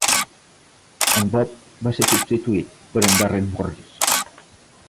En Bob va ser substituït per en Darren Morris.